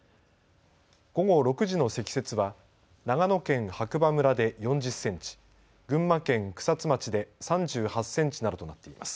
午後６時の積雪は長野県白馬村で４０センチ、群馬県草津町で３８センチなどとなっています。